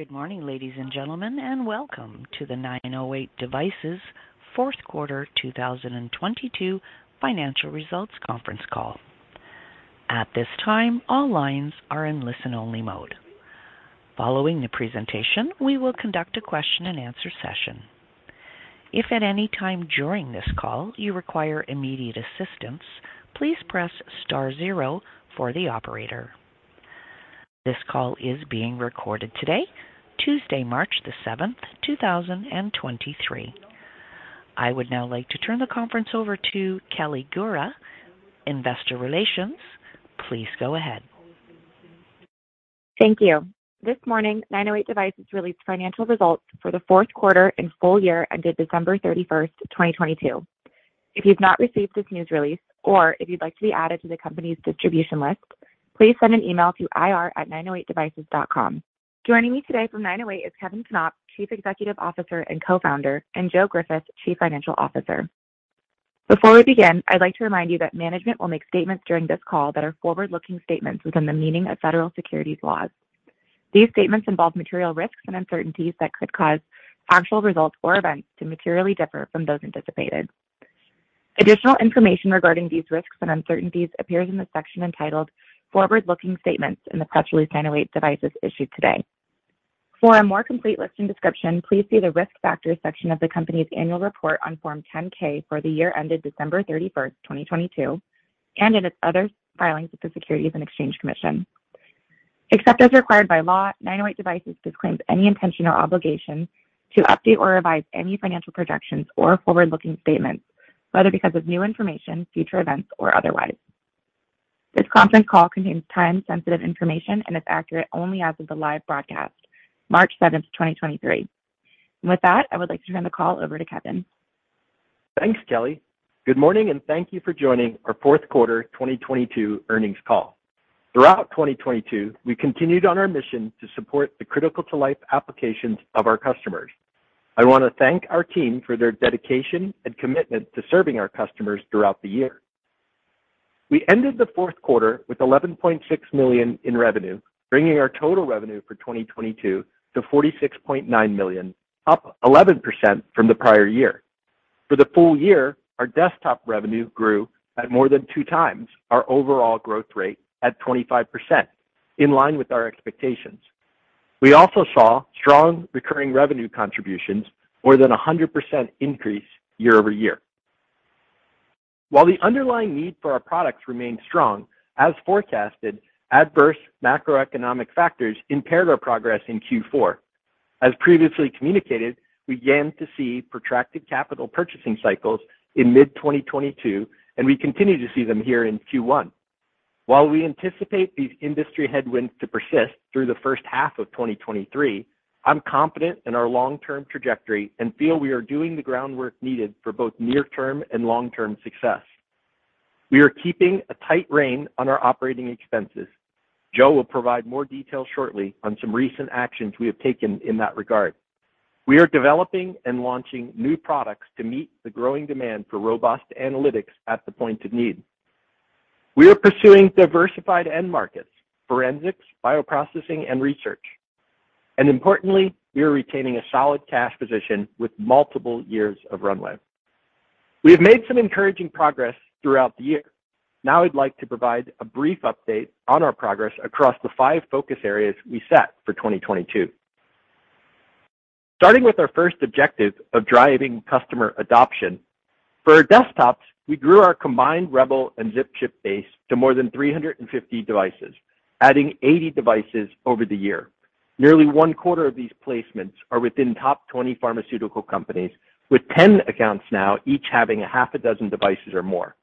Good morning, ladies and gentlemen, and welcome to the 908 Devices fourth quarter 2022 financial results conference call. At this time, all lines are in listen-only mode. Following the presentation, we will conduct a question-and-answer session. If at any time during this call you require immediate assistance, please press star zero for the operator. This call is being recorded today, Tuesday, March 7th, 2023. I would now like to turn the conference over to Kelly Gura, Investor Relations. Please go ahead. Thank you. This morning, 908 Devices released financial results for the fourth quarter and full year ended December 31st, 2022. If you've not received this news release, or if you'd like to be added to the company's distribution list, please send an email to ir@908devices.com. Joining me today from 908 Devices is Kevin Knopp, Chief Executive Officer and Co-founder, and Joe Griffith, Chief Financial Officer. Before we begin, I'd like to remind you that management will make statements during this call that are forward-looking statements within the meaning of federal securities laws. These statements involve material risks and uncertainties that could cause actual results or events to materially differ from those anticipated. Additional information regarding these risks and uncertainties appears in the section entitled "Forward-Looking Statements" in the press release 908 Devices issued today. For a more complete listing description, please see the Risk Factors section of the company's annual report on Form 10-K for the year ended December 31st, 2022, and in its other filings with the Securities and Exchange Commission. Except as required by law, 908 Devices disclaims any intention or obligation to update or revise any financial projections or forward-looking statements, whether because of new information, future events, or otherwise. This conference call contains time-sensitive information and is accurate only as of the live broadcast, March 7th, 2023. With that, I would like to turn the call over to Kevin. Thanks, Kelly. Good morning, and thank you for joining our fourth quarter 2022 earnings call. Throughout 2022, we continued on our mission to support the critical-to-life applications of our customers. I want to thank our team for their dedication and commitment to serving our customers throughout the year. We ended the fourth quarter with $11.6 million in revenue, bringing our total revenue for 2022 to $46.9 million, up 11% from the prior year. For the full year, our desktop revenue grew at more than two times our overall growth rate at 25%, in line with our expectations. We also saw strong recurring revenue contributions, more than a 100% increase year-over-year. While the underlying need for our products remained strong, as forecasted, adverse macroeconomic factors impaired our progress in Q4. As previously communicated, we began to see protracted capital purchasing cycles in mid-2022, and we continue to see them here in Q1. While we anticipate these industry headwinds to persist through the first half of 2023, I'm confident in our long-term trajectory and feel we are doing the groundwork needed for both near-term and long-term success. We are keeping a tight rein on our operating expenses. Joe will provide more detail shortly on some recent actions we have taken in that regard. We are developing and launching new products to meet the growing demand for robust analytics at the point of need. We are pursuing diversified end markets, forensics, bioprocessing, and research. Importantly, we are retaining a solid cash position with multiple years of runway. We have made some encouraging progress throughout the year. I'd like to provide a brief update on our progress across the five focus areas we set for 2022. Starting with our first objective of driving customer adoption. For desktops, we grew our combined Rebel and ZipChip base to more than 350 devices, adding 80 devices over the year. Nearly one-quarter of these placements are within top 20 pharmaceutical companies, with 10 accounts now each having a half a dozen devices or more.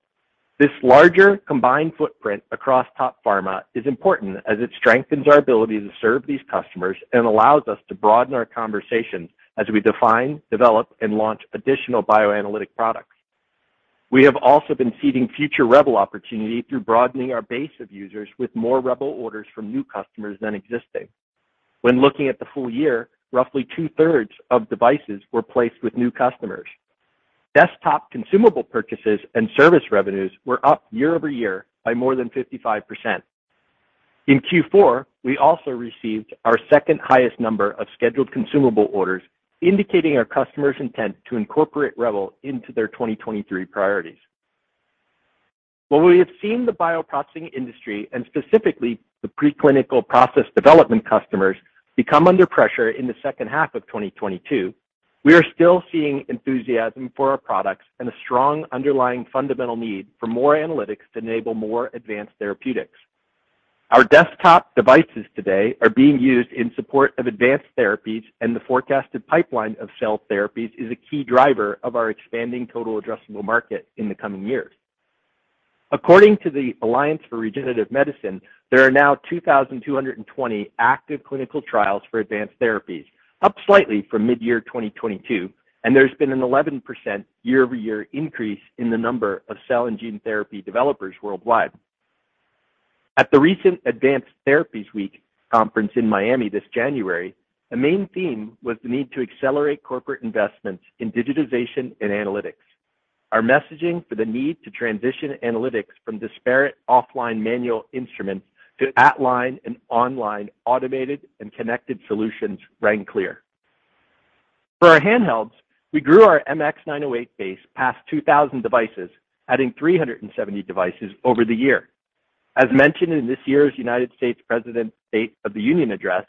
This larger combined footprint across top pharma is important as it strengthens our ability to serve these customers and allows us to broaden our conversations as we define, develop, and launch additional bioanalytic products. We have also been seeding future Rebel opportunity through broadening our base of users with more Rebel orders from new customers than existing. When looking at the full year, roughly 2/3 of devices were placed with new customers. Desktop consumable purchases and service revenues were up year-over-year by more than 55%. In Q4, we also received our second highest number of scheduled consumable orders, indicating our customers' intent to incorporate Rebel into their 2023 priorities. While we have seen the bioprocessing industry, and specifically the preclinical process development customers, become under pressure in the second half of 2022, we are still seeing enthusiasm for our products and a strong underlying fundamental need for more analytics to enable more advanced therapeutics. Our desktop devices today are being used in support of advanced therapies. The forecasted pipeline of cell therapies is a key driver of our expanding total addressable market in the coming years. According to the Alliance for Regenerative Medicine, there are now 2,220 active clinical trials for advanced therapies, up slightly from mid-year 2022. There's been an 11% year-over-year increase in the number of cell and gene therapy developers worldwide. At the recent Advanced Therapies Week conference in Miami this January, a main theme was the need to accelerate corporate investments in digitization and analytics. Our messaging for the need to transition analytics from disparate offline manual instruments to at-line and on-line automated and connected solutions rang clear. For our handhelds, we grew our MX908 base past 2,000 devices, adding 370 devices over the year. As mentioned in this year's United States President State of the Union Address,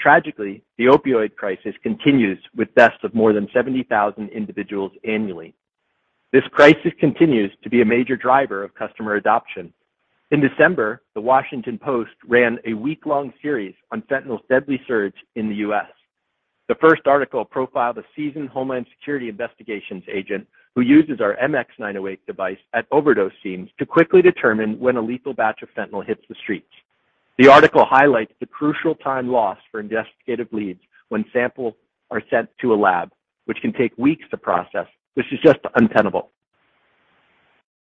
tragically, the opioid crisis continues with deaths of more than 70,000 individuals annually. This crisis continues to be a major driver of customer adoption. In December, The Washington Post ran a week-long series on fentanyl's deadly surge in the U.S. The first article profiled a seasoned Homeland Security Investigations agent who uses our MX908 device at overdose scenes to quickly determine when a lethal batch of fentanyl hits the streets. The article highlights the crucial time lost for investigative leads when samples are sent to a lab, which can take weeks to process, which is just untenable.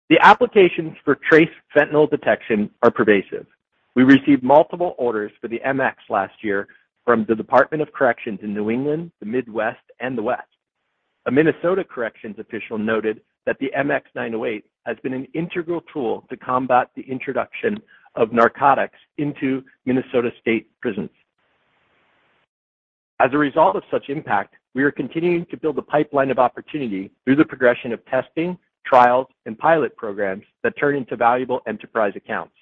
The applications for trace fentanyl detection are pervasive. We received multiple orders for the MX last year from the Department of Corrections in New England, the Midwest, and the West. A Minnesota corrections official noted that the MX908 has been an integral tool to combat the introduction of narcotics into Minnesota State prisons. As a result of such impact, we are continuing to build a pipeline of opportunity through the progression of testing, trials, and pilot programs that turn into valuable enterprise accounts.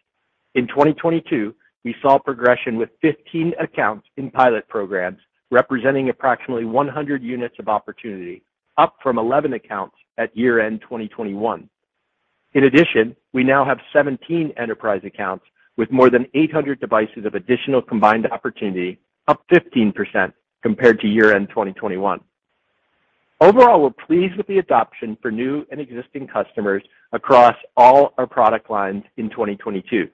In 2022, we saw progression with 15 accounts in pilot programs representing approximately 100 units of opportunity, up from 11 accounts at year-end 2021. In addition, we now have 17 enterprise accounts with more than 800 devices of additional combined opportunity, up 15% compared to year-end 2021. Overall, we're pleased with the adoption for new and existing customers across all our product lines in 2022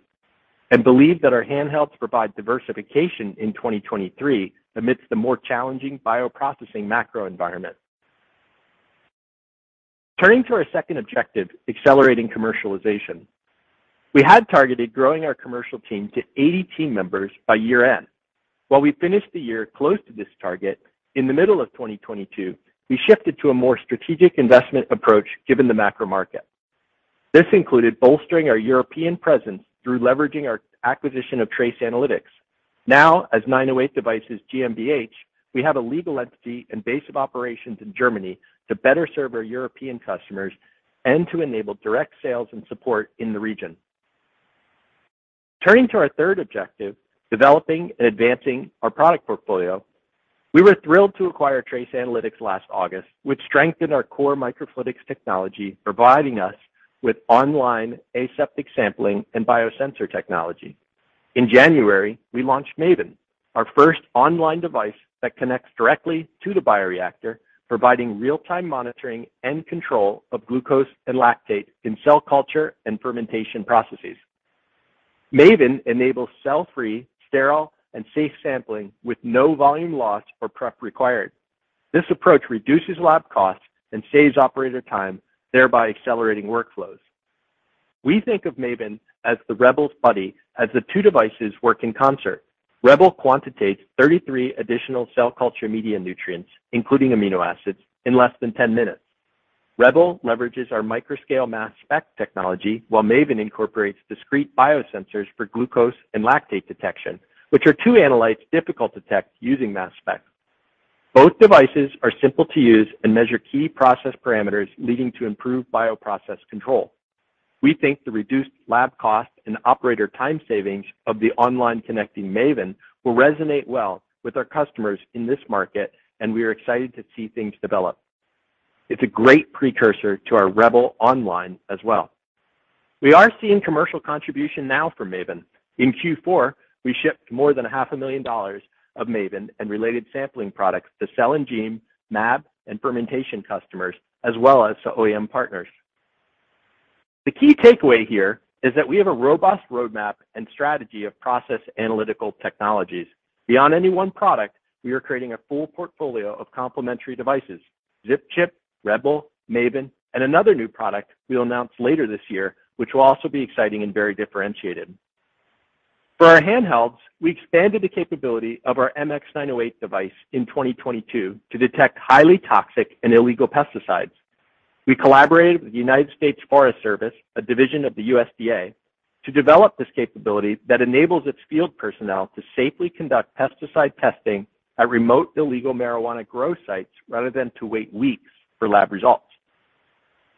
and believe that our handhelds provide diversification in 2023 amidst the more challenging bioprocessing macro environment. Turning to our second objective, accelerating commercialization. We had targeted growing our commercial team to 80 team members by year-end. While we finished the year close to this target, in the middle of 2022, we shifted to a more strategic investment approach given the macro market. This included bolstering our European presence through leveraging our acquisition of TRACE Analytics. Now, as 908 Devices GmbH, we have a legal entity and base of operations in Germany to better serve our European customers and to enable direct sales and support in the region. Turning to our third objective, developing and advancing our product portfolio, we were thrilled to acquire TRACE Analytics last August, which strengthened our core microfluidics technology, providing us with online aseptic sampling and biosensor technology. In January, we launched MAVEN, our first online device that connects directly to the bioreactor, providing real-time monitoring and control of glucose and lactate in cell culture and fermentation processes. MAVEN enables cell-free, sterile, and safe sampling with no volume loss or prep required. This approach reduces lab costs and saves operator time, thereby accelerating workflows. We think of MAVEN as the Rebel's buddy as the two devices work in concert. Rebel quantitates 33 additional cell culture media nutrients, including amino acids, in less than 10 minutes. Rebel leverages our microscale mass spec technology, while MAVEN incorporates discrete biosensors for glucose and lactate detection, which are two analytes difficult to detect using mass spec. Both devices are simple to use and measure key process parameters leading to improved bioprocess control. We think the reduced lab cost and operator time savings of the online connecting MAVEN will resonate well with our customers in this market. We are excited to see things develop. It's a great precursor to our Rebel Online as well. We are seeing commercial contribution now from MAVEN. In Q4, we shipped more than $500,000 of MAVEN and related sampling products to cell and gene, mAb, and fermentation customers, as well as to OEM partners. The key takeaway here is that we have a robust roadmap and strategy of process analytical technologies. Beyond any one product, we are creating a full portfolio of complementary devices, ZipChip, Rebel, MAVEN, and another new product we'll announce later this year, which will also be exciting and very differentiated. For our handhelds, we expanded the capability of our MX908 device in 2022 to detect highly toxic and illegal pesticides. We collaborated with the US Forest Service, a division of the USDA, to develop this capability that enables its field personnel to safely conduct pesticide testing at remote illegal marijuana grow sites rather than to wait weeks for lab results.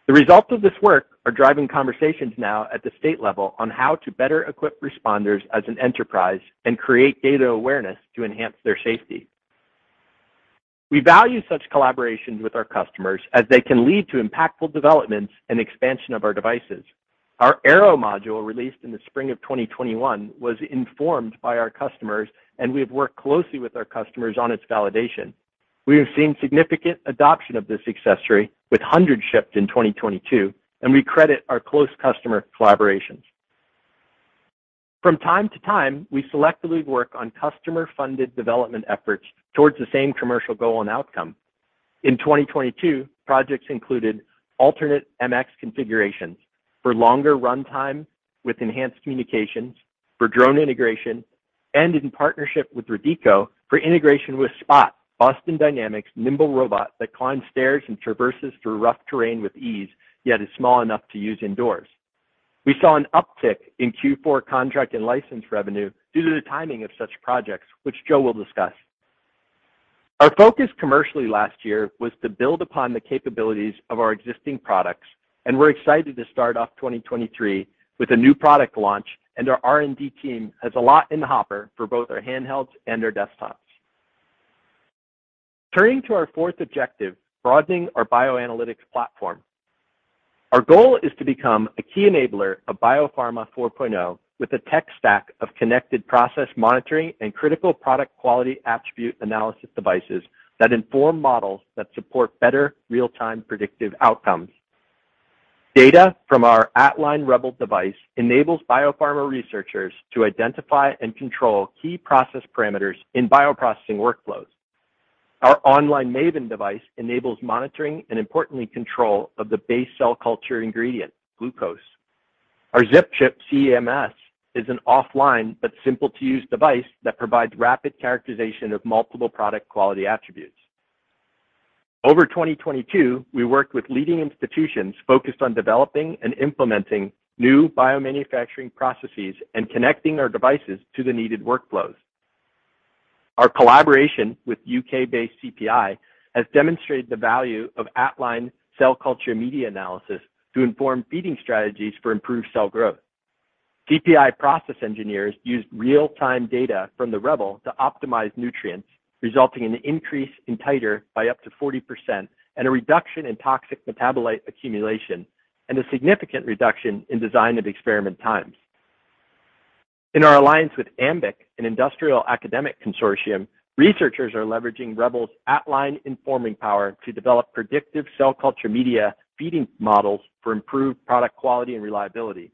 The results of this work are driving conversations now at the state level on how to better equip responders as an enterprise and create data awareness to enhance their safety. We value such collaborations with our customers as they can lead to impactful developments and expansion of our devices. Our Aero module, released in the spring of 2021, was informed by our customers, and we have worked closely with our customers on its validation. We have seen significant adoption of this accessory, with hundreds shipped in 2022, and we credit our close customer collaborations. From time to time, we selectively work on customer-funded development efforts towards the same commercial goal and outcome. In 2022, projects included alternate MX configurations for longer runtime with enhanced communications, for drone integration. In partnership with RADēCO for integration with Spot, Boston Dynamics' nimble robot that climbs stairs and traverses through rough terrain with ease, yet is small enough to use indoors. We saw an uptick in Q4 contract and license revenue due to the timing of such projects, which Joe will discuss. Our focus commercially last year was to build upon the capabilities of our existing products, and we're excited to start off 2023 with a new product launch. Our R&D team has a lot in the hopper for both our handhelds and our desktops. Turning to our fourth objective, broadening our bioanalytics platform. Our goal is to become a key enabler of Biopharma 4.0, with a tech stack of connected process monitoring and critical product quality attribute analysis devices that inform models that support better real-time predictive outcomes. Data from our at-line Rebel device enables Biopharma researchers to identify and control key process parameters in bioprocessing workflows. Our online MAVEN device enables monitoring and, importantly, control of the base cell culture ingredient, glucose. Our ZipChip CE-MS is an offline but simple to use device that provides rapid characterization of multiple product quality attributes. Over 2022, we worked with leading institutions focused on developing and implementing new biomanufacturing processes and connecting our devices to the needed workflows. Our collaboration with U.K.-based CPI has demonstrated the value of at-line cell culture media analysis to inform feeding strategies for improved cell growth. CPI process engineers used real-time data from the Rebel to optimize nutrients, resulting in an increase in titer by up to 40% and a reduction in toxic metabolite accumulation, and a significant reduction in Design of Experiments times. In our alliance with AMBIC, an industrial academic consortium, researchers are leveraging Rebel's at-line informing power to develop predictive cell culture media feeding models for improved product quality and reliability.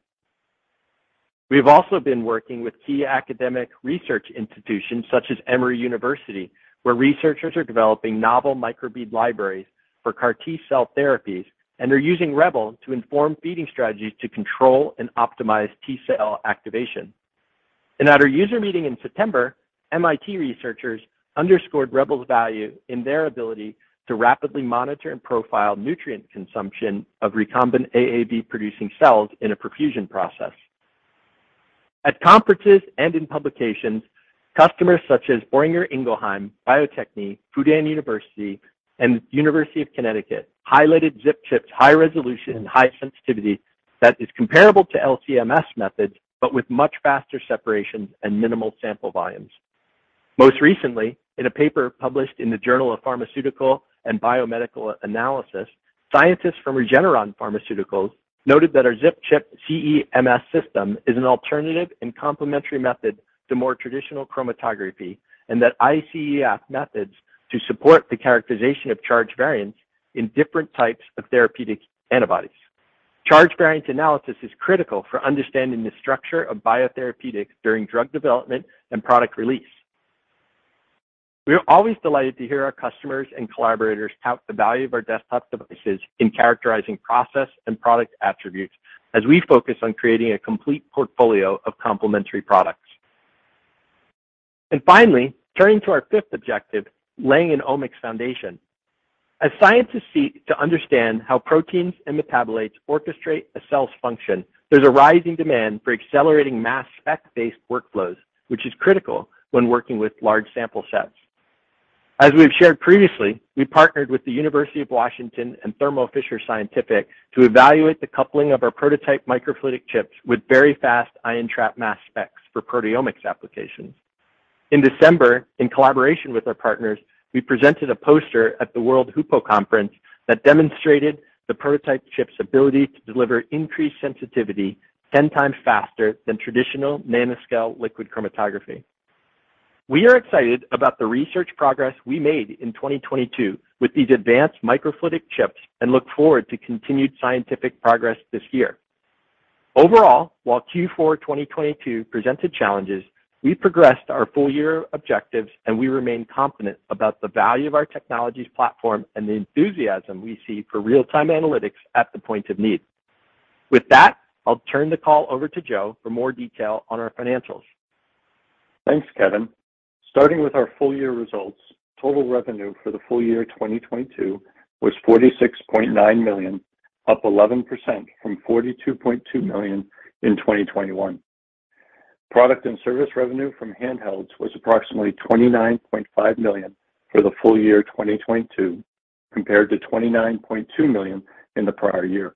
We have also been working with key academic research institutions such as Emory University, where researchers are developing novel micro bead libraries for CAR T-cell therapies, and they're using Rebel to inform feeding strategies to control and optimize T-cell activation. At our user meeting in September, MIT researchers underscored Rebel's value in their ability to rapidly monitor and profile nutrient consumption of recombinant AAV producing cells in a perfusion process. At conferences and in publications, customers such as Boehringer Ingelheim, Bio-Techne, Fudan University, and University of Connecticut, highlighted ZipChip's high resolution and high sensitivity that is comparable to LC-MS methods, but with much faster separations and minimal sample volumes. Most recently, in a paper published in the Journal of Pharmaceutical and Biomedical Analysis, scientists from Regeneron Pharmaceuticals noted that our ZipChip CE-MS system is an alternative and complementary method to more traditional chromatography, and that iCIEF methods to support the characterization of charge variants in different types of therapeutic antibodies. Charge variant analysis is critical for understanding the structure of biotherapeutics during drug development and product release. We are always delighted to hear our customers and collaborators tout the value of our desktop devices in characterizing process and product attributes as we focus on creating a complete portfolio of complementary products. Finally, turning to our fifth objective, laying an omics foundation. As scientists seek to understand how proteins and metabolites orchestrate a cell's function, there's a rising demand for accelerating mass spec-based workflows, which is critical when working with large sample sets. As we've shared previously, we partnered with the University of Washington and Thermo Fisher Scientific to evaluate the coupling of our prototype microfluidic chips with very fast ion trap mass specs for proteomics applications. In December, in collaboration with our partners, we presented a poster at the HUPO World Congress that demonstrated the prototype chip's ability to deliver increased sensitivity 10 times faster than traditional nanoscale liquid chromatography. We are excited about the research progress we made in 2022 with these advanced microfluidic chips and look forward to continued scientific progress this year. Overall, while Q4 2022 presented challenges, we progressed our full year objectives, and we remain confident about the value of our technologies platform and the enthusiasm we see for real-time analytics at the point of need. With that, I'll turn the call over to Joe for more detail on our financials. Thanks, Kevin. Starting with our full year results, total revenue for the full year 2022 was $46.9 million, up 11% from $42.2 million in 2021. Product and service revenue from handhelds was approximately $29.5 million for the full year 2022, compared to $29.2 million in the prior year.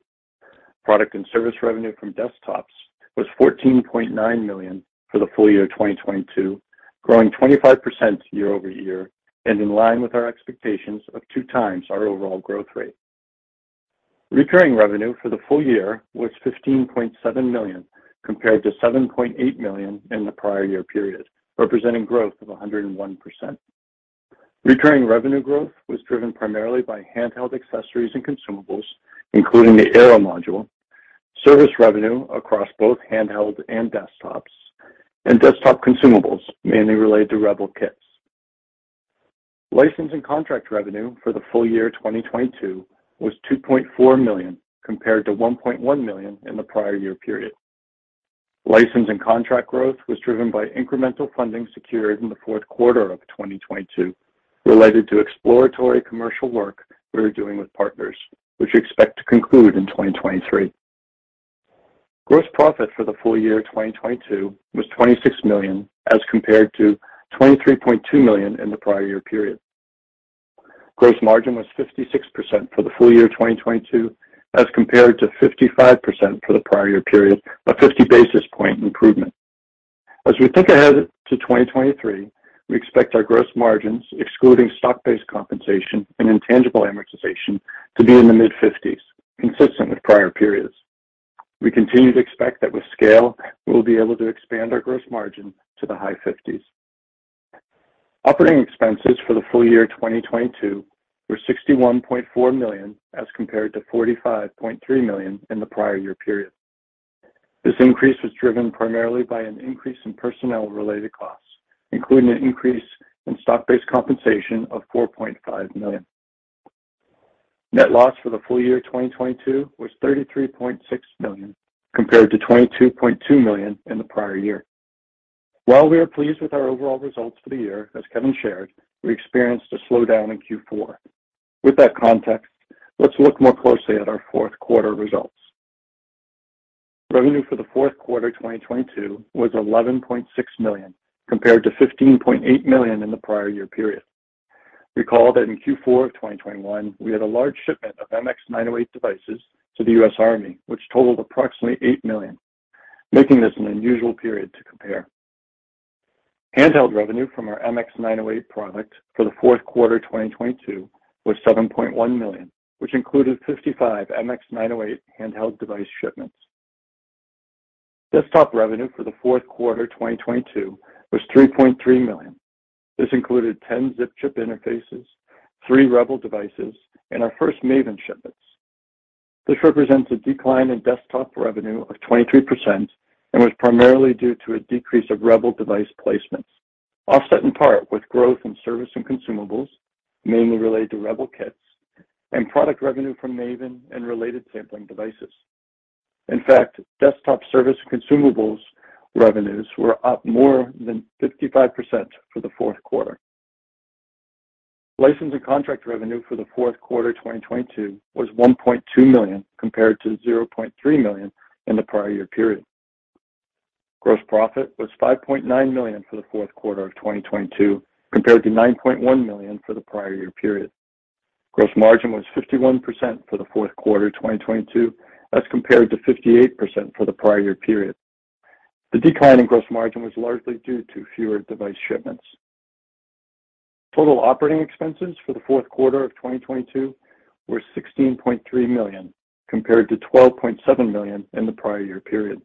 Product and service revenue from desktops was $14.9 million for the full year 2022, growing 25% year-over-year and in line with our expectations of two times our overall growth rate. Returning revenue for the full year was $15.7 million, compared to $7.8 million in the prior year period, representing growth of 101%. Returning revenue growth was driven primarily by handheld accessories and consumables, including the Aero module, service revenue across both handheld and desktops, and desktop consumables, mainly related to Rebel kits. License and contract revenue for the full year 2022 was $2.4 million, compared to $1.1 million in the prior year period. License and contract growth was driven by incremental funding secured in the fourth quarter of 2022 related to exploratory commercial work we were doing with partners, which we expect to conclude in 2023. Gross profit for the full year 2022 was $26 million, as compared to $23.2 million in the prior year period. Gross margin was 56% for the full year of 2022, as compared to 55% for the prior year period, a 50 basis point improvement. As we think ahead to 2023, we expect our gross margins, excluding stock-based compensation and intangible amortization, to be in the mid-50s, consistent with prior periods. We continue to expect that with scale, we'll be able to expand our gross margin to the high fifties. Operating expenses for the full year 2022 were $61.4 million, as compared to $45.3 million in the prior year period. This increase was driven primarily by an increase in personnel-related costs, including an increase in stock-based compensation of $4.5 million. Net loss for the full year 2022 was $33.6 million, compared to $22.2 million in the prior year. While we are pleased with our overall results for the year, as Kevin shared, we experienced a slowdown in Q4. With that context, let's look more closely at our fourth quarter results. Revenue for the fourth quarter 2022 was $11.6 million, compared to $15.8 million in the prior year period. Recall that in Q4 of 2021, we had a large shipment of MX908 devices to the U.S. Army, which totaled approximately $8 million, making this an unusual period to compare. Handheld revenue from our MX908 product for the fourth quarter 2022 was $7.1 million, which included 55 MX908 handheld device shipments. Desktop revenue for the fourth quarter 2022 was $3.3 million. This included 10 ZipChip interfaces, three Rebel devices, and our first MAVEN shipments. This represents a decline in desktop revenue of 23% and was primarily due to a decrease of Rebel device placements, offset in part with growth in service and consumables, mainly related to Rebel kits, and product revenue from MAVEN and related sampling devices. In fact, desktop service consumables revenues were up more than 55% for the fourth quarter. License and contract revenue for the fourth quarter 2022 was $1.2 million, compared to $0.3 million in the prior year period. Gross profit was $5.9 million for the fourth quarter of 2022, compared to $9.1 million for the prior year period. Gross margin was 51% for the fourth quarter 2022, as compared to 58% for the prior year period. The decline in gross margin was largely due to fewer device shipments. Total operating expenses for the fourth quarter of 2022 were $16.3 million, compared to $12.7 million in the prior year period.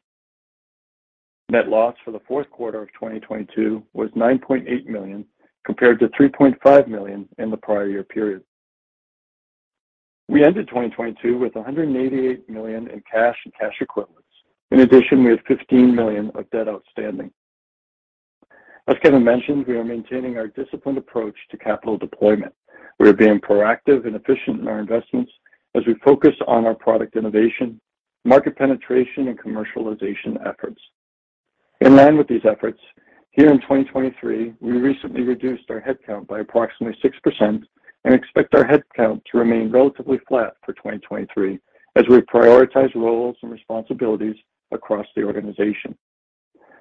Net loss for the fourth quarter of 2022 was $9.8 million, compared to $3.5 million in the prior year period. We ended 2022 with $188 million in cash and cash equivalents. In addition, we had $15 million of debt outstanding. As Kevin mentioned, we are maintaining our disciplined approach to capital deployment. We are being proactive and efficient in our investments as we focus on our product innovation, market penetration, and commercialization efforts. In line with these efforts, here in 2023, we recently reduced our headcount by approximately 6% and expect our headcount to remain relatively flat for 2023 as we prioritize roles and responsibilities across the organization.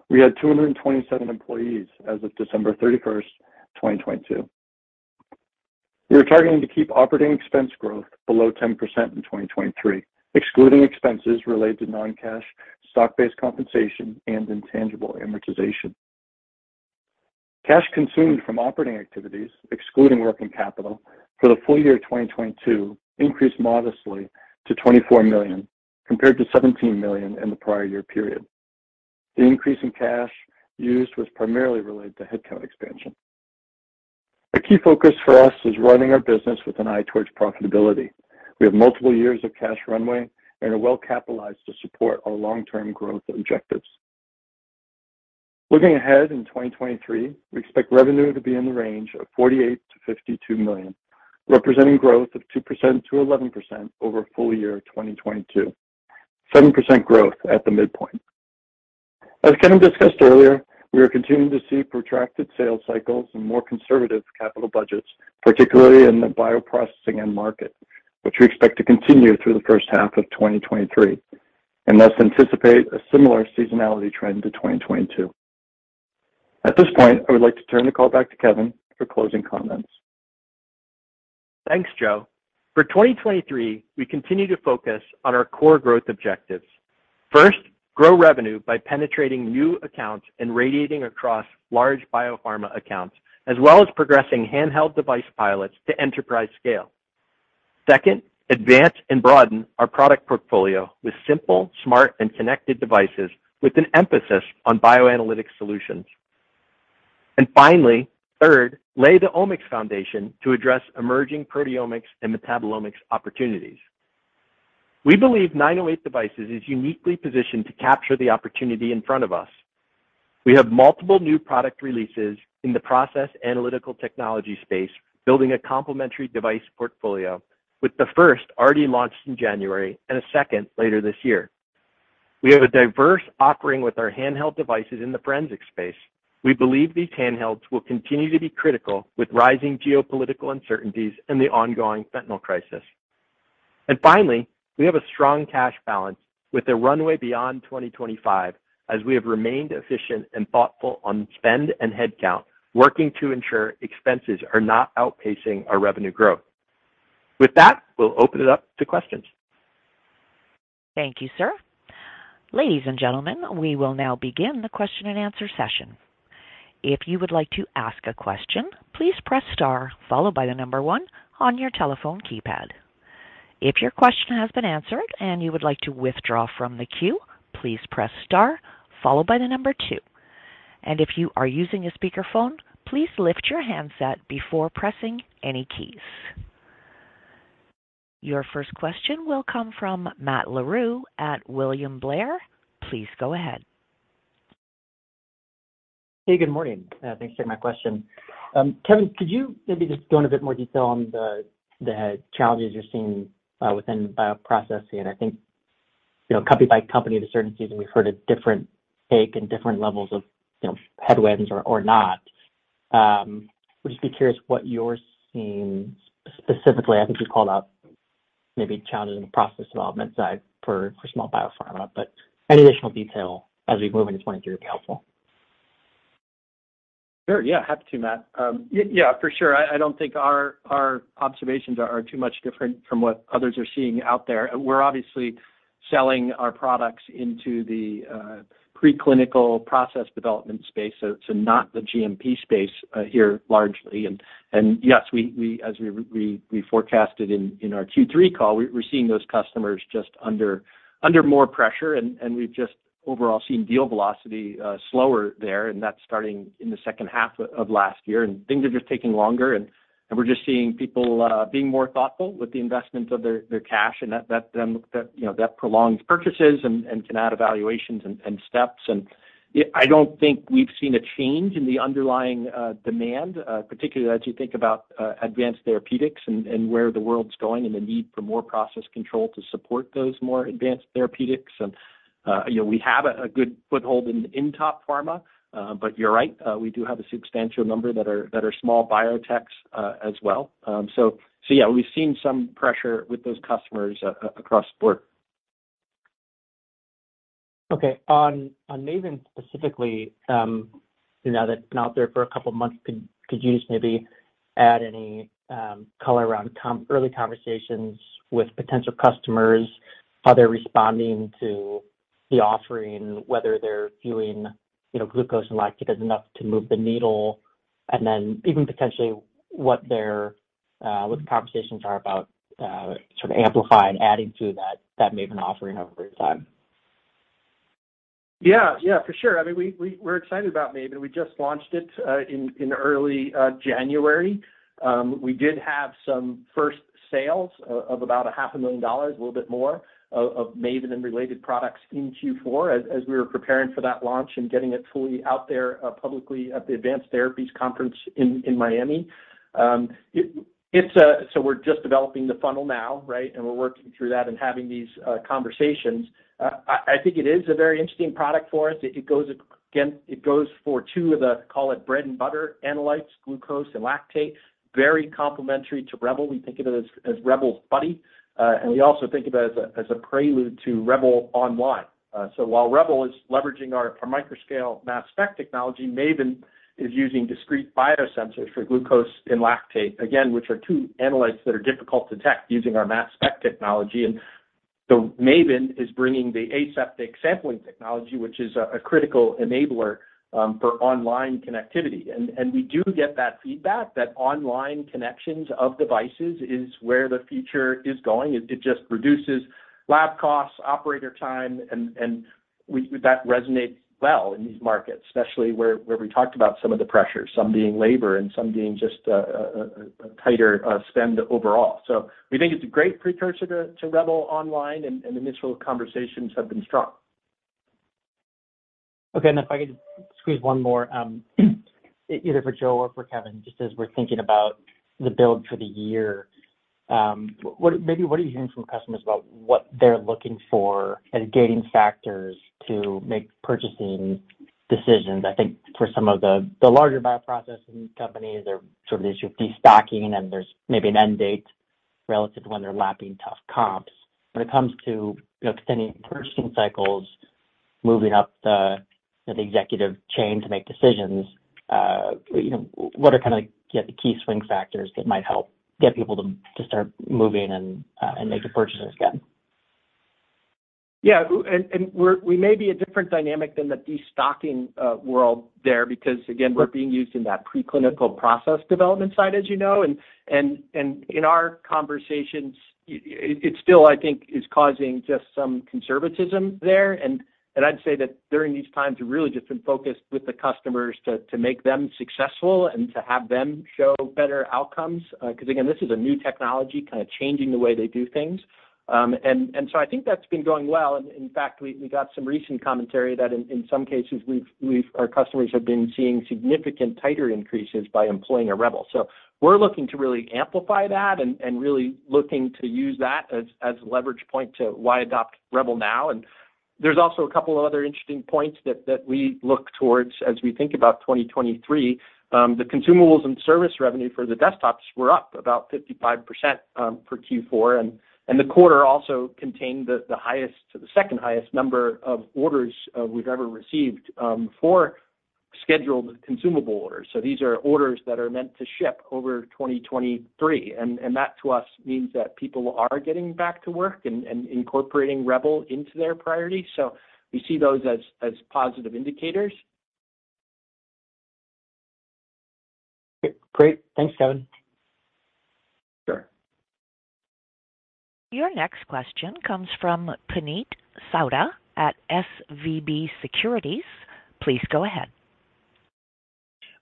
We had 227 employees as of December 31st, 2022. We are targeting to keep operating expense growth below 10% in 2023, excluding expenses related to non-cash, stock-based compensation, and intangible amortization. Cash consumed from operating activities, excluding working capital, for the full year 2022 increased modestly to $24 million, compared to $17 million in the prior year period. The increase in cash used was primarily related to headcount expansion. A key focus for us is running our business with an eye towards profitability. We have multiple years of cash runway and are well-capitalized to support our long-term growth objectives. Looking ahead in 2023, we expect revenue to be in the range of $48 million-$52 million, representing growth of 2%-11% over full year 2022, 7% growth at the midpoint. As Kevin discussed earlier, we are continuing to see protracted sales cycles and more conservative capital budgets, particularly in the bioprocessing end market, which we expect to continue through the first half of 2023, and thus anticipate a similar seasonality trend to 2022. At this point, I would like to turn the call back to Kevin for closing comments. Thanks, Joe. For 2023, we continue to focus on our core growth objectives. First, grow revenue by penetrating new accounts and radiating across large Biopharma accounts, as well as progressing handheld device pilots to enterprise scale. Second, advance and broaden our product portfolio with simple, smart, and connected devices with an emphasis on bioanalytic solutions. Finally, third, lay the omics foundation to address emerging proteomics and metabolomics opportunities. We believe 908 Devices is uniquely positioned to capture the opportunity in front of us. We have multiple new product releases in the process analytical technology space, building a complementary device portfolio with the first already launched in January and a second later this year. We have a diverse offering with our handheld devices in the forensic space. We believe these handhelds will continue to be critical with rising geopolitical uncertainties and the ongoing fentanyl crisis. Finally, we have a strong cash balance with a runway beyond 2025 as we have remained efficient and thoughtful on spend and headcount, working to ensure expenses are not outpacing our revenue growth. With that, we'll open it up to questions. Thank you, sir. Ladies and gentlemen, we will now begin the question and answer session. If you would like to ask a question, please press star followed by one on your telephone keypad. If your question has been answered and you would like to withdraw from the queue, please press star followed by two. If you are using a speakerphone, please lift your handset before pressing any keys. Your first question will come from Matt Larew at William Blair. Please go ahead. Hey, good morning. Thanks for taking my question. Kevin, could you maybe just go into a bit more detail on the challenges you're seeing within bioprocessing? I think, you know, company by company, the certain season we've heard a different take and different levels of, you know, headwinds or not. Would just be curious what you're seeing specifically. I think you called out maybe challenges in the process development side for small Biopharma, but any additional detail as we move into 2023 would be helpful. Sure. Yeah. Happy to, Matt. Yeah, for sure. I don't think our observations are too much different from what others are seeing out there. We're obviously selling our products into the preclinical process development space, so not the GMP space here largely. Yes, we as we forecasted in our Q3 call, we're seeing those customers just under more pressure. We've just overall seen deal velocity slower there, and that's starting in the second half of last year. Things are just taking longer, and we're just seeing people being more thoughtful with the investments of their cash and that, you know, that prolongs purchases and can add evaluations and steps. I don't think we've seen a change in the underlying demand, particularly as you think about advanced therapeutics and where the world's going and the need for more process control to support those more advanced therapeutics. You know, we have a good foothold in top pharma. You're right, we do have a substantial number that are small biotechs as well. Yeah, we've seen some pressure with those customers across the board. Okay. On MAVEN specifically, you know, that's been out there for a couple months, could you just maybe add any color around early conversations with potential customers, how they're responding to the offering, whether they're viewing, you know, glucose and lactate as enough to move the needle? Even potentially what their what the conversations are about sort of amplifying, adding to that MAVEN offering over time. Yeah. Yeah, for sure. I mean, we're excited about MAVEN. We just launched it in early January. We did have some first sales of about a $500,000, a little bit more, of MAVEN and related products in Q4 as we were preparing for that launch and getting it fully out there publicly at the Advanced Therapies Conference in Miami. We're just developing the funnel now, right? We're working through that and having these conversations. I think it is a very interesting product for us. It goes for two of the, call it bread and butter analytes, glucose and lactate, very complementary to Rebel. We think of it as Rebel's buddy. We also think of it as a prelude to Rebel online. While Rebel is leveraging our microscale mass spec technology, MAVEN is using discrete biosensors for glucose and lactate, again, which are two analytes that are difficult to detect using our mass spec technology. MAVEN is bringing the aseptic sampling technology, which is a critical enabler for online connectivity. We do get that feedback that online connections of devices is where the future is going. It just reduces lab costs, operator time, and that resonates well in these markets, especially where we talked about some of the pressures, some being labor and some being just a tighter spend overall. We think it's a great precursor to Rebel online, and the initial conversations have been strong. Okay. If I could just squeeze one more, either for Joe or for Kevin, just as we're thinking about the build for the year. Maybe what are you hearing from customers about what they're looking for as gating factors to make purchasing decisions? I think for some of the larger bioprocessing companies are sort of issuing destocking, and there's maybe an end date relative to when they're lapping tough comps. When it comes to, you know, extending purchasing cycles, moving up the executive chain to make decisions, you know, what are kind of, you know, the key swing factors that might help get people to start moving and making purchases again? Yeah, we may be a different dynamic than the destocking world there because, again, we're being used in that preclinical process development side, as you know. In our conversations, it still I think is causing just some conservatism there. I'd say that during these times, we've really just been focused with the customers to make them successful and to have them show better outcomes. 'Cause again, this is a new technology kinda changing the way they do things. I think that's been going well. In fact, we got some recent commentary that in some cases our customers have been seeing significant titer increases by employing a Rebel. We're looking to really amplify that and really looking to use that as a leverage point to why adopt Rebel now. There's also a couple other interesting points that we look towards as we think about 2023. The consumables and service revenue for the desktops were up about 55% for Q4. The quarter also contained the highest to the second highest number of orders we've ever received for scheduled consumable orders. These are orders that are meant to ship over 2023, and that to us means that people are getting back to work and incorporating Rebel into their priority. We see those as positive indicators. Great. Thanks, Kevin. Sure. Your next question comes from Puneet Souda at SVB Securities. Please go ahead.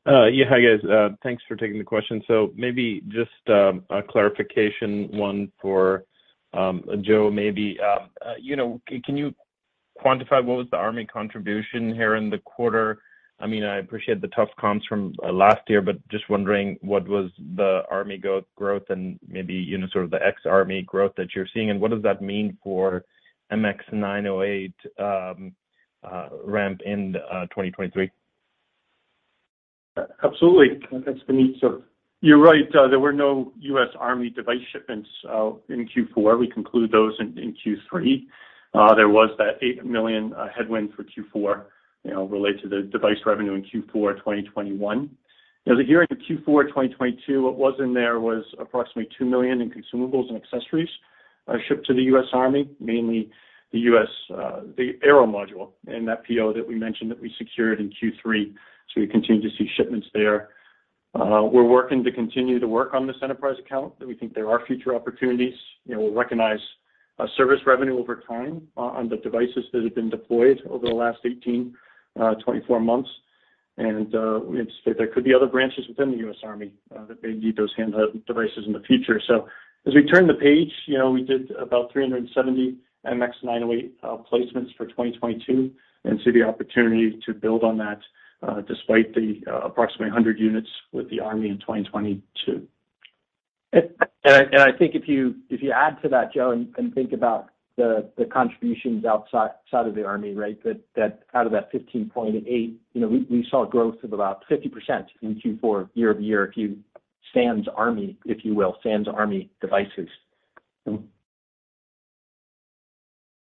Yeah. Hi, guys. Thanks for taking the question. Maybe just a clarification one for Joe maybe. You know, can you quantify what was the Army contribution here in the quarter? I mean, I appreciate the tough comps from last year, but just wondering what was the Army growth and maybe, you know, sort of the ex Army growth that you're seeing, and what does that mean for MX908 ramp in 2023? Absolutely. Thanks, Puneet. You're right, there were no U.S. Army device shipments in Q4. We conclude those in Q3. There was that $8 million headwind for Q4, you know, related to the device revenue in Q4 2021. You know, the year end of Q4 2022, what was in there was approximately $2 million in consumables and accessories, shipped to the U.S. Army, mainly the U.S., the Aero module in that PO that we mentioned that we secured in Q3. We continue to see shipments there. We're working to continue to work on this enterprise account, and we think there are future opportunities. You know, we'll recognize service revenue over time on the devices that have been deployed over the last 18 months, 24 months. There could be other branches within the U.S. Army that may need those handheld devices in the future. As we turn the page, you know, we did about 370 MX908 placements for 2022 and see the opportunity to build on that despite the approximately 100 units with the Army in 2022. I think if you add to that, Joe, and think about the contributions outside of the Army, right? Out of that 15.8, you know, we saw growth of about 50% in Q4 year-over-year if you sans Army, if you will, sans Army devices.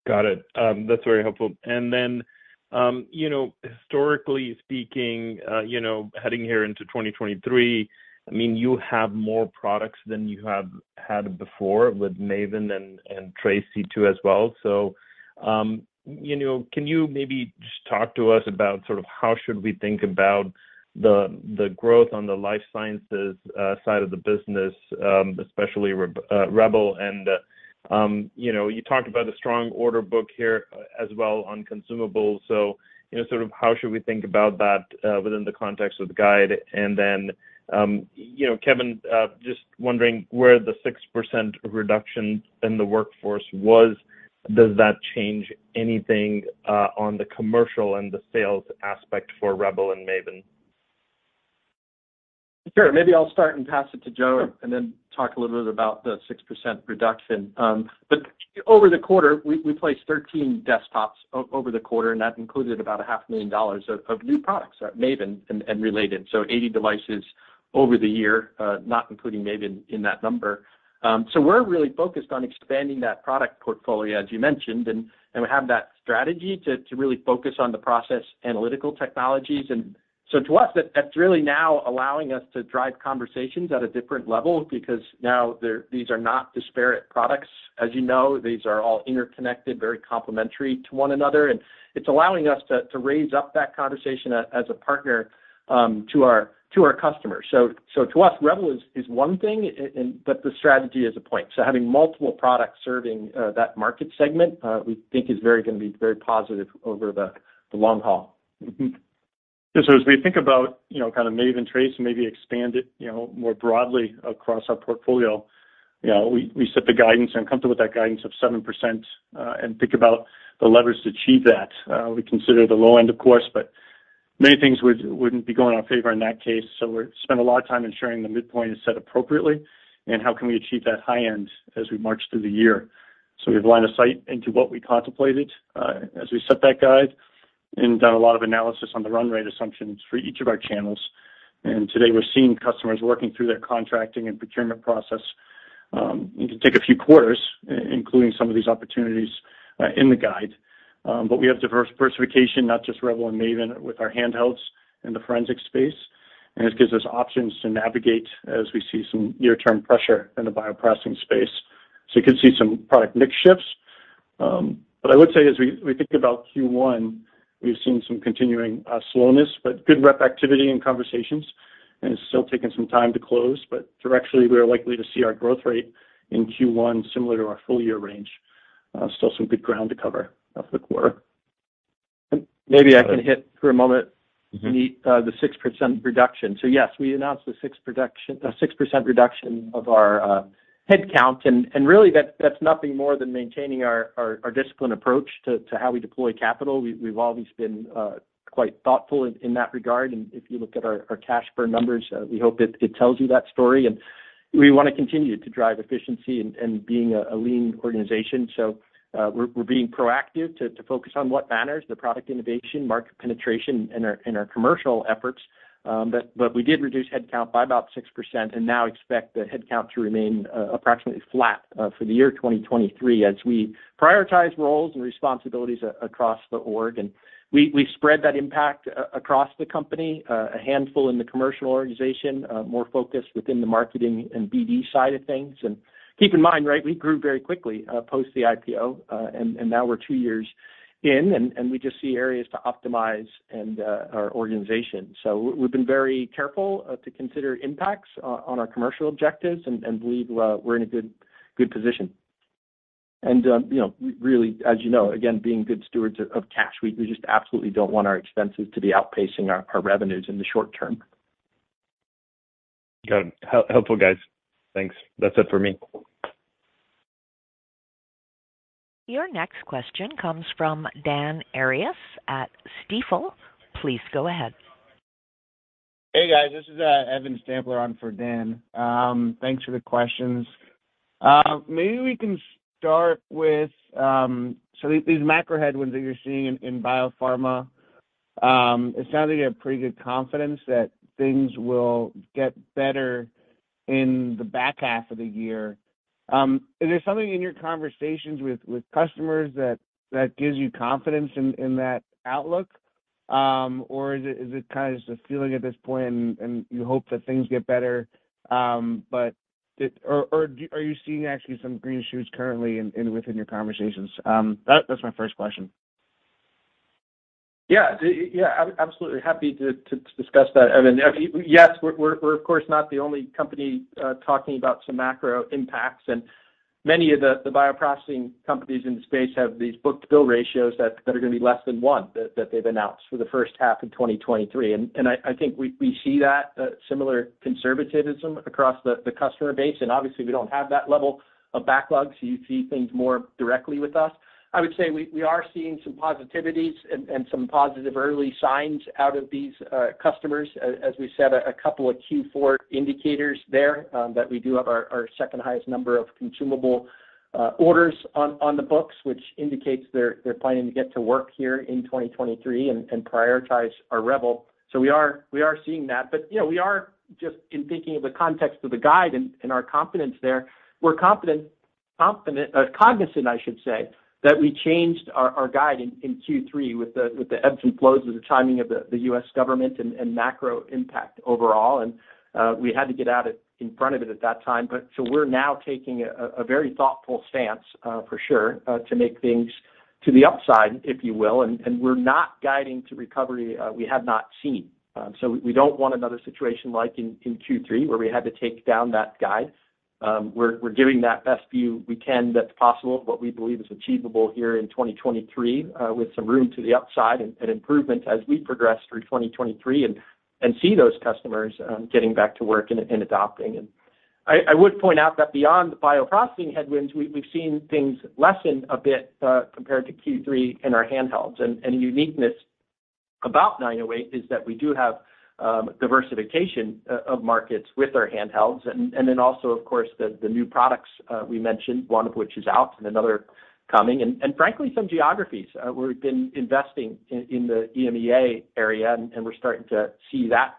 Got it. That's very helpful. You know, historically speaking, you know, heading here into 2023, I mean, you have more products than you have had before with MAVEN and TRACE C2 as well. You know, can you maybe just talk to us about sort of how should we think about the growth on the life sciences side of the business, especially Rebel and, you know, you talked about the strong order book here as well on consumables. You know, sort of how should we think about that within the context of the guide? You know, Kevin, just wondering where the 6% reduction in the workforce was, does that change anything on the commercial and the sales aspect for Rebel and MAVEN? Sure. Maybe I'll start and pass it to Joe and then talk a little bit about the 6% reduction. Over the quarter, we placed 13 desktops over the quarter, and that included about a $500,000 of new products, MAVEN and related. 80 devices over the year, not including MAVEN in that number. We're really focused on expanding that product portfolio, as you mentioned. We have that strategy to really focus on the process analytical technologies. To us, that's really now allowing us to drive conversations at a different level because these are not disparate products. As you know, these are all interconnected, very complementary to one another, and it's allowing us to raise up that conversation as a partner to our customers. To us, Rebel is one thing, and but the strategy is a point. Having multiple products serving that market segment, we think is gonna be very positive over the long haul. As we think about, you know, kind of MAVEN TRACE and maybe expand it, you know, more broadly across our portfolio, you know, we set the guidance and comfortable with that guidance of 7%, and think about the levers to achieve that. We consider the low end of course, but many things wouldn't be going our favor in that case. We're spent a lot of time ensuring the midpoint is set appropriately and how can we achieve that high end as we march through the year. We have line of sight into what we contemplated, as we set that guide and done a lot of analysis on the run rate assumptions for each of our channels. Today we're seeing customers working through their contracting and procurement process. It can take a few quarters including some of these opportunities in the guide. We have diversification, not just Rebel and MAVEN with our handhelds in the forensic space. This gives us options to navigate as we see some near-term pressure in the bioprocessing space. You can see some product mix shifts. I would say as we think about Q1, we've seen some continuing slowness, but good rep activity and conversations, and it's still taking some time to close. Directionally, we are likely to see our growth rate in Q1 similar to our full year range. Still some good ground to cover of the quarter. Maybe I can hit for a moment- Mm-hmm. The 6% reduction. Yes, we announced the 6% reduction of our headcount. Really that's nothing more than maintaining our disciplined approach to how we deploy capital. We've always been quite thoughtful in that regard. If you look at our cash burn numbers, we hope it tells you that story. We wanna continue to drive efficiency and being a lean organization. We're being proactive to focus on what matters, the product innovation, market penetration in our commercial efforts. We did reduce headcount by about 6% and now expect the headcount to remain approximately flat for the year 2023 as we prioritize roles and responsibilities across the org. We spread that impact across the company, a handful in the commercial organization, more focused within the marketing and BD side of things. Keep in mind, right, we grew very quickly post the IPO, and now we're two years in and we just see areas to optimize our organization. We've been very careful to consider impacts on our commercial objectives and believe we're in a good position. You know, really, as you know, again, being good stewards of cash, we just absolutely don't want our expenses to be outpacing our revenues in the short term. Got it. Helpful, guys. Thanks. That's it for me. Your next question comes from Dan Arias at Stifel. Please go ahead. Hey, guys, this is Evan Stampler on for Dan. Thanks for the questions. Maybe we can start with these macro headwinds that you're seeing in Biopharma, it sounds like you have pretty good confidence that things will get better in the back half of the year. Is there something in your conversations with customers that gives you confidence in that outlook? Is it kind of just a feeling at this point and you hope that things get better? Or are you seeing actually some green shoots currently within your conversations? That's my first question. Yeah. Absolutely happy to discuss that, Evan. I mean, yes, we're of course not the only company talking about some macro impacts. Many of the bioprocessing companies in the space have these book-to-bill ratios that are gonna be less than one that they've announced for the first half of 2023. I think we see that similar conservatism across the customer base. Obviously we don't have that level of backlog, so you see things more directly with us. I would say we are seeing some positivities and some positive early signs out of these customers. As we said, a couple of Q4 indicators there, that we do have our second highest number of consumable orders on the books, which indicates they're planning to get to work here in 2023 and prioritize our Rebel. We are seeing that. You know, we are just in thinking of the context of the guide and our confidence there. We're cognizant, I should say, that we changed our guide in Q3 with the ebbs and flows of the timing of the U.S. government and macro impact overall. We had to get at it in front of it at that time. We're now taking a very thoughtful stance, for sure, to make things to the upside, if you will. We're not guiding to recovery, we have not seen. We don't want another situation like in Q3 where we had to take down that guide. We're giving that best view we can that's possible of what we believe is achievable here in 2023, with some room to the upside and improvement as we progress through 2023 and see those customers getting back to work and adopting. I would point out that beyond bioprocessing headwinds, we've seen things lessen a bit compared to Q3 in our handhelds. The uniqueness about 908 is that we do have diversification of markets with our handhelds. Then also, of course, the new products we mentioned, one of which is out and another coming. frankly, some geographies, we've been investing in the EMEA area, and we're starting to see that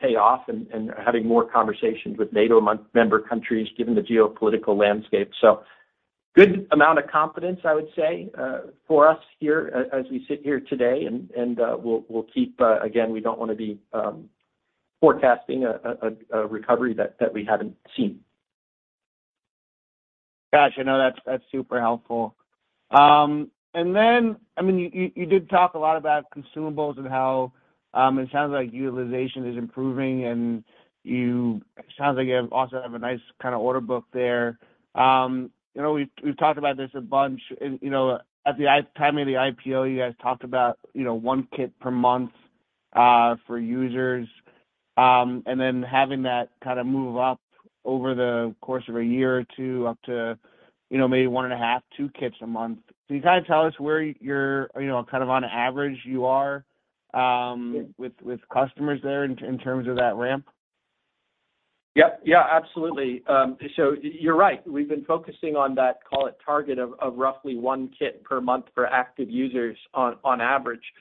pay off and having more conversations with NATO member countries given the geopolitical landscape. good amount of confidence, I would say, for us here as we sit here today. we'll keep again, we don't wanna be forecasting a recovery that we haven't seen. Gotcha. No, that's super helpful. I mean, you did talk a lot about consumables and how, it sounds like utilization is improving, and sounds like you also have a nice kinda order book there. You know, we've talked about this a bunch. You know, at the timing of the IPO, you guys talked about, you know, one kit per month, for users, and then having that kinda move up over the course of a year or two up to, you know, maybe one and a half, two kits a month. Can you kinda tell us where you're, you know, kind of on average you are, with customers there in terms of that ramp? Yep. Yeah, absolutely. You're right. We've been focusing on that, call it target of roughly one kit per month for active users on average.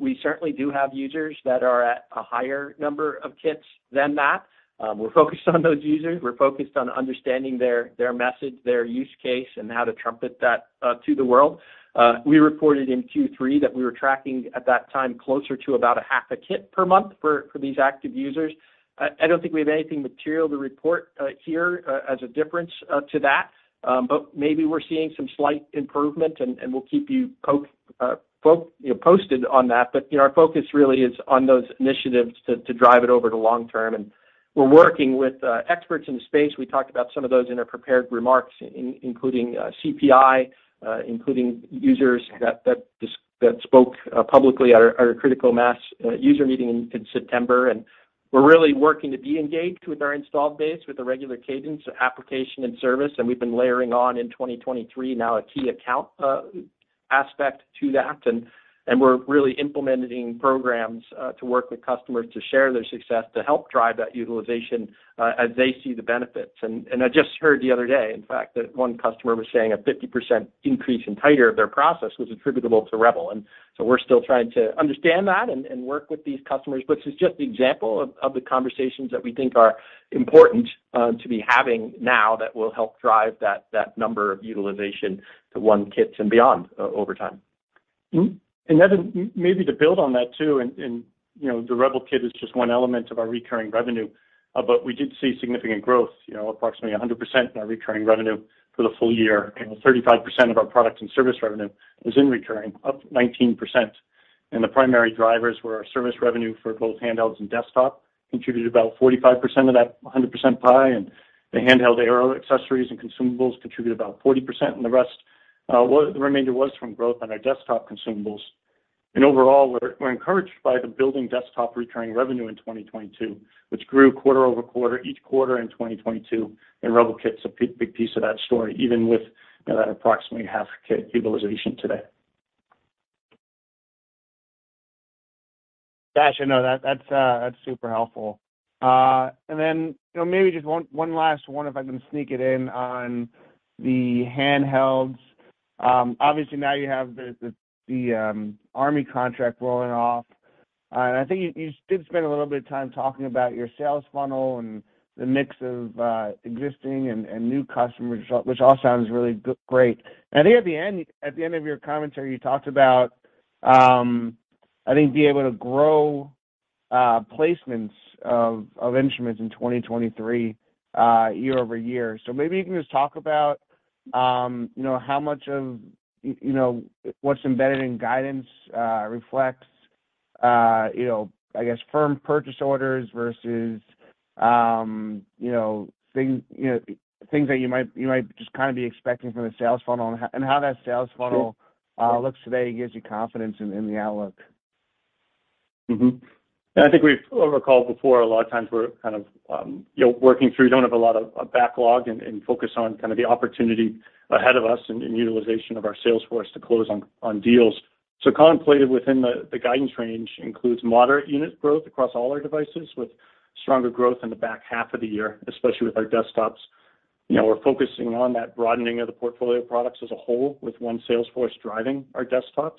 We certainly do have users that are at a higher number of kits than that. We're focused on those users. We're focused on understanding their message, their use case, and how to trumpet that to the world. We reported in Q3 that we were tracking at that time closer to about a half kit per month for these active users. I don't think we have anything material to report here as a difference to that. Maybe we're seeing some slight improvement, and we'll keep you posted on that. You know, our focus really is on those initiatives to drive it over to long term. We're working with experts in the space. We talked about some of those in our prepared remarks including CPI, including users that spoke publicly at our Critical Mass user meeting in September. We're really working to be engaged with our installed base with a regular cadence of application and service, and we've been layering on in 2023 now a key account aspect to that. We're really implementing programs to work with customers to share their success, to help drive that utilization as they see the benefits. I just heard the other day, in fact, that one customer was saying a 50% increase in titer of their process was attributable to Rebel. We're still trying to understand that and work with these customers, which is just the example of the conversations that we think are important to be having now that will help drive that number of utilization to one kits and beyond over time. Mm-hmm. Evan, maybe to build on that too, and, you know, the Rebel kits is just one element of our recurring revenue. We did see significant growth, you know, approximately 100% in our recurring revenue for the full year, and 35% of our products and service revenue is in recurring, up 19%. The primary drivers were our service revenue for both handhelds and desktop, contributed about 45% of that 100% pie, and the handheld Aero accessories and consumables contribute about 40%. The rest, the remainder was from growth on our desktop consumables. Overall, we're encouraged by the building desktop recurring revenue in 2022, which grew quarter-over-quarter each quarter in 2022, and Rebel kit's a big piece of that story, even with, you know, that approximately half kit utilization today. Gotcha. No, that's super helpful. You know, maybe just one last one if I can sneak it in on the handhelds. Obviously now you have the Army contract rolling off. I think you did spend a little bit of time talking about your sales funnel and the mix of existing and new customers, which all sounds really great. I think at the end of your commentary, you talked about, I think being able to grow placements of instruments in 2023 year-over-year. Maybe you can just talk about, you know, how much of, you know, what's embedded in guidance reflects, you know, I guess firm purchase orders versus, you know, things that you might just kind of be expecting from the sales funnel and how that sales funnel. Sure. looks today gives you confidence in the outlook. I think we've recalled before, a lot of times we're kind of, you know, working through. Don't have a lot of backlog and focus on kind of the opportunity ahead of us in utilization of our sales force to close on deals. Contemplated within the guidance range includes moderate unit growth across all our devices with stronger growth in the back half of the year, especially with our desktops. You know, we're focusing on that broadening of the portfolio products as a whole with one sales force driving our desktops,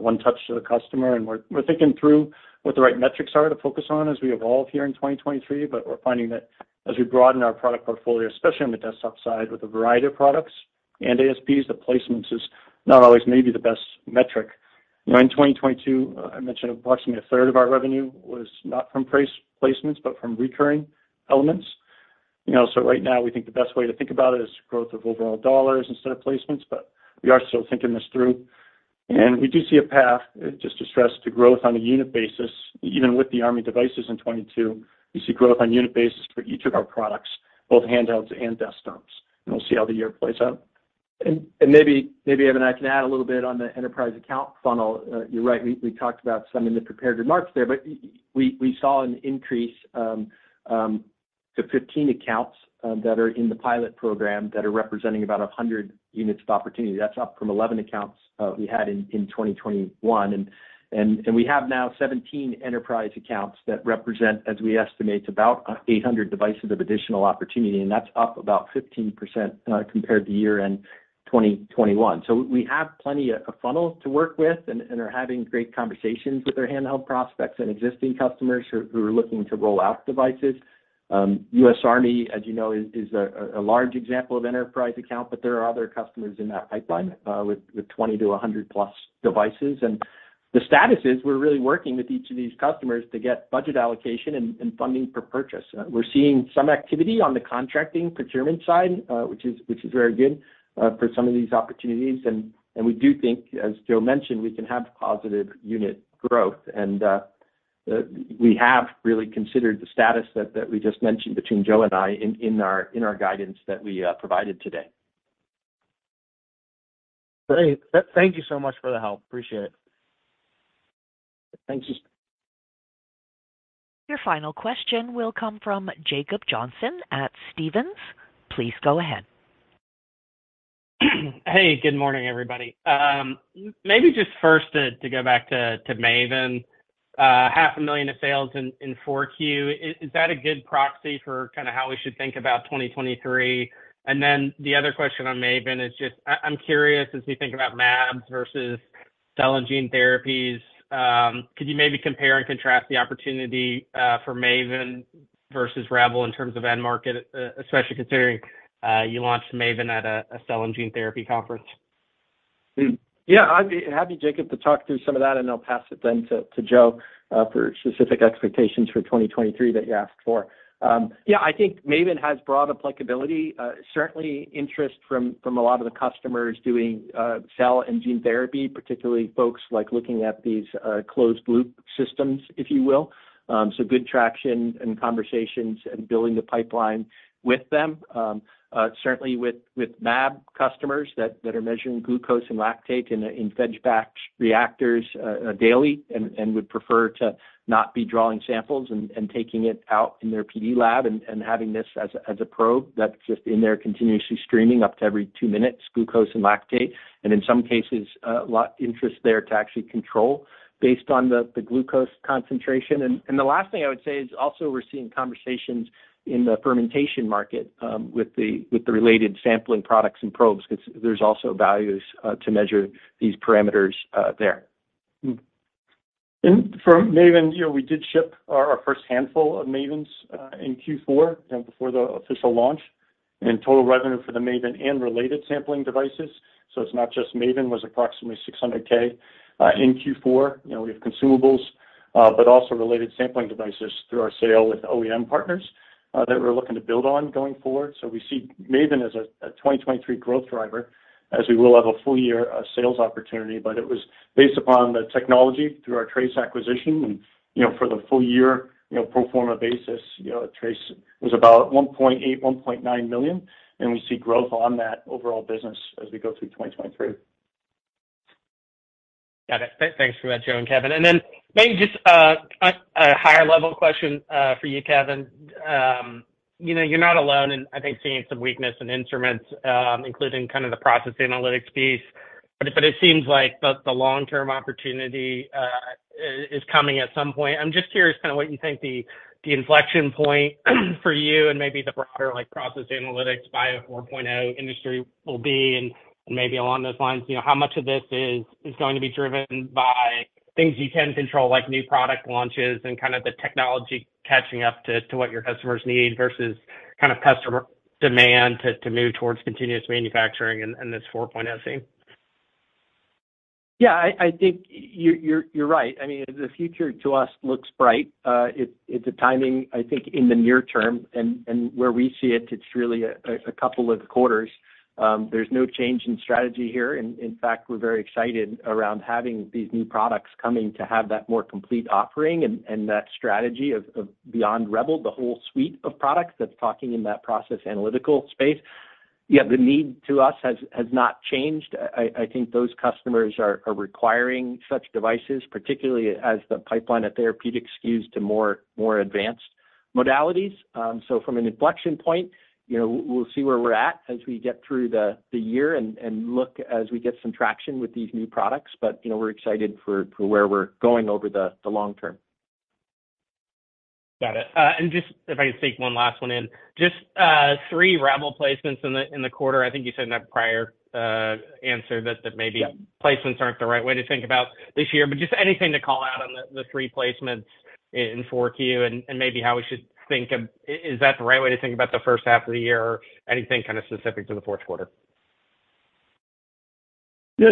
one touch to the customer, and we're thinking through what the right metrics are to focus on as we evolve here in 2023. We're finding that as we broaden our product portfolio, especially on the desktop side with a variety of products and ASPs, the placements is not always maybe the best metric. You know, in 2022, I mentioned approximately a third of our revenue was not from placements, but from recurring elements. You know, right now, we think the best way to think about it is growth of overall dollars instead of placements, but we are still thinking this through. We do see a path, just to stress, to growth on a unit basis. Even with the Army devices in 2022, we see growth on unit basis for each of our products, both handhelds and desktops, and we'll see how the year plays out. Maybe, Evan, I can add a little bit on the enterprise account funnel. You're right, we talked about some in the prepared remarks there, but we saw an increase to 15 accounts that are in the pilot program that are representing about 100 units of opportunity. That's up from 11 accounts we had in 2021. We have now 17 enterprise accounts that represent, as we estimate, about 800 devices of additional opportunity, and that's up about 15% compared to year-end 2021. We have plenty of funnels to work with and are having great conversations with our handheld prospects and existing customers who are looking to roll out devices. U.S. Army, as you know, is a large example of enterprise account, but there are other customers in that pipeline, with 20 to 100+ devices. The status is we're really working with each of these customers to get budget allocation and funding for purchase. We're seeing some activity on the contracting procurement side, which is very good for some of these opportunities. We do think, as Joe mentioned, we can have positive unit growth. We have really considered the status that we just mentioned between Joe and I in our guidance that we provided today. Great. thank you so much for the help. Appreciate it. Thank you. Your final question will come from Jacob Johnson at Stephens. Please go ahead. Hey, good morning, everybody. Maybe just first to go back to MAVEN, $500,00 of sales in Q4. Is that a good proxy for kind of how we should think about 2023? Then the other question on MAVEN is just I'm curious as we think about mAbs versus cell and gene therapies, could you maybe compare and contrast the opportunity for MAVEN versus Rebel in terms of end market, especially considering you launched MAVEN at a cell and gene therapy conference. Yeah, I'd be happy, Jacob, to talk through some of that, and I'll pass it then to Joe for specific expectations for 2023 that you asked for. Yeah, I think MAVEN has broad applicability. Certainly interest from a lot of the customers doing cell and gene therapy, particularly folks like looking at these closed loop systems, if you will. Good traction and conversations and building the pipeline with them. Certainly with mAb customers that are measuring glucose and lactate in fed batch reactors daily and would prefer to not be drawing samples and taking it out in their PD lab and having this as a probe that's just in there continuously streaming up to every two minutes, glucose and lactate. In some cases, a lot interest there to actually control based on the glucose concentration. The last thing I would say is also we're seeing conversations in the fermentation market with the related sampling products and probes, 'cause there's also values to measure these parameters there. For MAVEN, you know, we did ship our first handful of MAVENs in Q4 and before the official launch. Total revenue for the MAVEN and related sampling devices, so it's not just MAVEN, was approximately $600,000 in Q4. You know, we have consumables, but also related sampling devices through our sale with OEM partners that we're looking to build on going forward. We see MAVEN as a 2023 growth driver as we will have a full year of sales opportunity. It was based upon the technology through our TRACE acquisition. For the full year, you know, pro forma basis, you know, TRACE was about $1.8 million-$1.9 million, and we see growth on that overall business as we go through 2023. Got it. Thanks for that, Joe and Kevin. Then maybe just a higher level question for you, Kevin. You know, you're not alone in, I think, seeing some weakness in instruments, including kind of the process analytics piece, but it seems like the long-term opportunity is coming at some point. I'm just curious kinda what you think the inflection point for you and maybe the broader like process analytics Biopharma 4.0 industry will be. Maybe along those lines, you know, how much of this is going to be driven by things you can control, like new product launches and kind of the technology catching up to what your customers need versus kind of customer demand to move towards continuous manufacturing and this 4.0 scene. Yeah, I think you're right. I mean, the future to us looks bright. It's a timing, I think, in the near term. Where we see it's really a couple of quarters. There's no change in strategy here. In fact, we're very excited around having these new products coming to have that more complete offering and that strategy of beyond Rebel, the whole suite of products that's talking in that process analytical space. Yeah, the need to us has not changed. I think those customers are requiring such devices, particularly as the pipeline at therapeutics skews to more advanced modalities. So from an inflection point, you know, we'll see where we're at as we get through the year and look as we get some traction with these new products. You know, we're excited for where we're going over the long term. Got it. Just if I can sneak one last one in. Three Rebel placements in the quarter. I think you said in a prior answer that. Yeah Placements aren't the right way to think about this year. Just anything to call out on the three placements in four Q, and maybe how we should think of... Is that the right way to think about the first half of the year or anything kind of specific to the fourth quarter? Yeah.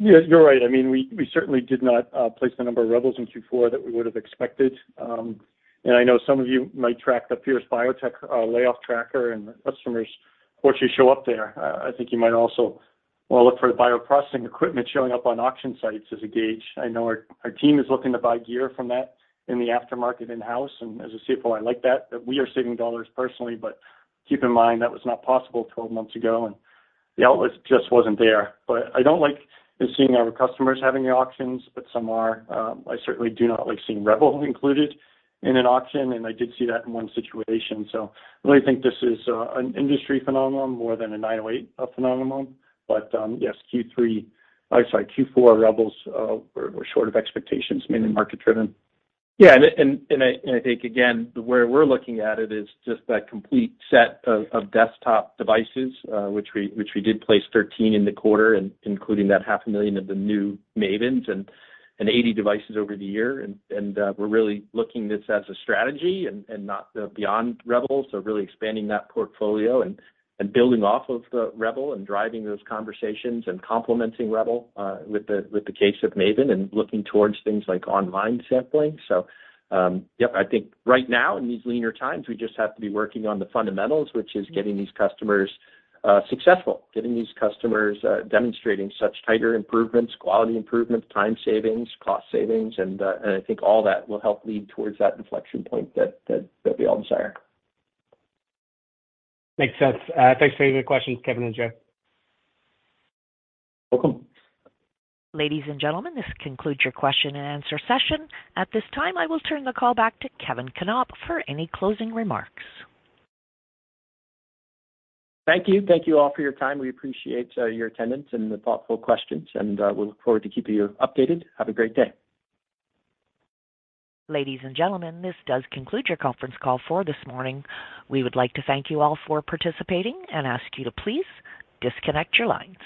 Yeah, you're right. I mean, we certainly did not place the number of Rebels in Q4 that we would have expected. I know some of you might track the Fierce Biotech layoff tracker and customers, of course, you show up there. I think you might also wanna look for the bioprocessing equipment showing up on auction sites as a gauge. I know our team is looking to buy gear from that in the aftermarket in-house. As a CFO, I like that we are saving dollars personally. Keep in mind, that was not possible 12 months ago, and the outlet just wasn't there. I don't like seeing our customers having the auctions, but some are. I certainly do not like seeing Rebel included in an auction, and I did see that in one situation. I really think this is an industry phenomenon more than a 908 phenomenon. Yes, Q4 Rebels were short of expectations, mainly market-driven. Yeah. And I think again, the way we're looking at it is just that complete set of desktop devices, which we did place 13 in the quarter, including that $500,00 of the new MAVENs and 80 devices over the year. We're really looking this as a strategy and not the beyond Rebel. Really expanding that portfolio and building off of the Rebel and driving those conversations and complementing Rebel with the case of MAVEN and looking towards things like online sampling. Yeah, I think right now in these leaner times, we just have to be working on the fundamentals, which is getting these customers successful, getting these customers demonstrating such tighter improvements, quality improvements, time savings, cost savings, and I think all that will help lead towards that inflection point that we all desire. Makes sense. Thanks for your questions, Kevin and Joe. Welcome. Ladies and gentlemen, this concludes your question and answer session. At this time, I will turn the call back to Kevin Knopp for any closing remarks. Thank you. Thank you all for your time. We appreciate your attendance and the thoughtful questions. We look forward to keeping you updated. Have a great day. Ladies and gentlemen, this does conclude your conference call for this morning. We would like to thank you all for participating and ask you to please disconnect your lines.